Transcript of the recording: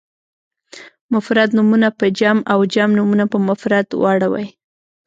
مفرد نومونه په جمع او جمع نومونه په مفرد واړوئ.